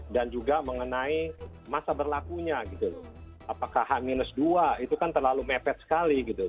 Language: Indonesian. dan juga mengenai masa berlakunya apakah h dua itu kan terlalu mepet sekali